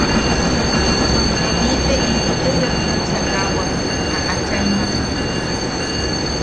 Felipe into ke sep nuksakawak a achaimak.